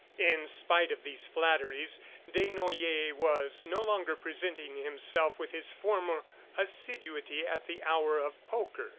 In spite of these flatteries, Desnoyers was no longer presenting himself with his former assiduity at the hour of poker.